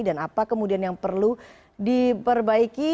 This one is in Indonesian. dan apa kemudian yang perlu diperbaiki